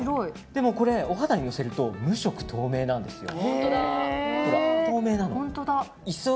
でも、これお肌にのせると無色透明なんですよ。